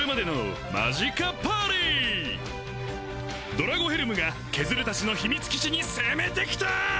ドラゴヘルムがケズルたちの秘密基地に攻めてきた！